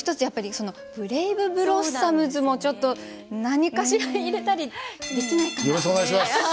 やっぱり「ブレイブブロッサムズ」もちょっと何かしら入れたりできないかな？